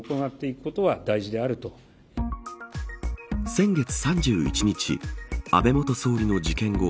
先月３１日安倍元総理の事件後